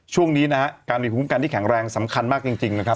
ช่วงนี้นะฮะการมีภูมิคุ้มกันที่แข็งแรงสำคัญมากจริงนะครับ